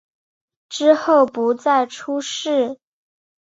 之后不再出仕。